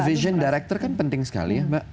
vision director kan penting sekali ya mbak